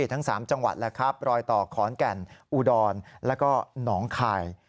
ทั้ง๓จังหวัดแล้วครับรอยต่อขอนแก่นอุดรแล้วก็หนองคาย